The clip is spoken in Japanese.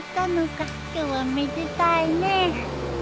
今日はめでたいね。